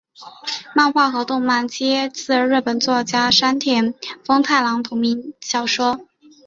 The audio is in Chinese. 漫画和动画皆自日本作家山田风太郎的同名小说。